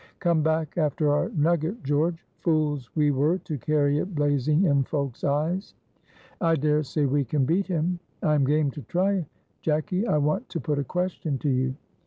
"Come back after our nugget, George. Fools we were to carry it blazing in folks' eyes." "I dare say we can beat him." "I am game to try. Jacky, I want to put a question to you."